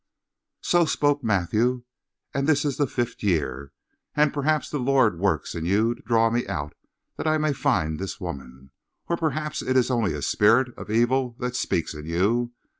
"So spoke Matthew, and this is the fifth year. And perhaps the Lord works in you to draw me out, that I may find this woman. Or perhaps it is only a spirit of evil that speaks in you.